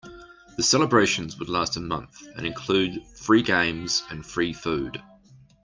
The celebrations would last a month and include free games and free food.